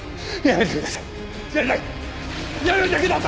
ややめてください！